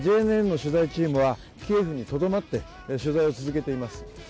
ＪＮＮの取材チームはキエフにとどまって取材を続けています。